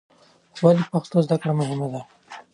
ولې پښتو زده کړه مهمه ده؟